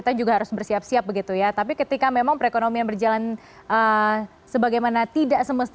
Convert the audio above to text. jadi kita harus bersiap siap begitu ya tapi ketika memang perekonomian berjalan sebagaimana tidak semestinya ini kita harus mencari